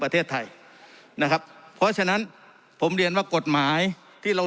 ประเทศไทยนะครับเพราะฉะนั้นผมเรียนว่ากฎหมายที่เรา